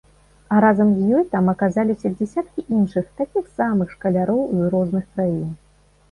А разам з ёй там аказаліся дзясяткі іншых такіх самых шкаляроў з розных краін.